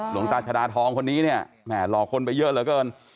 หลวงตาชะดาทองคนนี้เนี่ยเหล่าคนไปเยอะมากกัน